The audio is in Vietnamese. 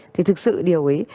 thì thực sự điều ấy